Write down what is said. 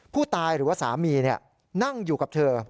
ผู้ตายหรือว่าสามีนั่งอยู่กับเธอ